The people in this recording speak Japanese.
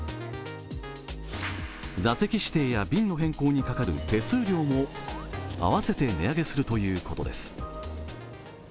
座席指定や便の変更にかかる手数料も合わせて値上げするということです。